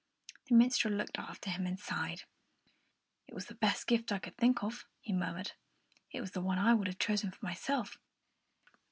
The minstrel looked after him and sighed. "It was the best gift I could think of," he murmured; "it was the one I would have chosen for myself.